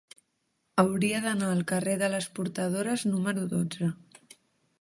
Hauria d'anar al carrer de les Portadores número dotze.